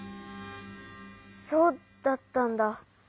そうだったんだ。